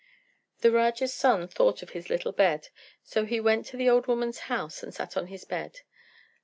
The Raja's son thought of his little bed; so he went to the old woman's house and sat on his bed.